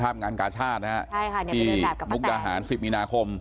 งานกาชาตินะฮะที่มุกดาหาร๑๐มีนาคม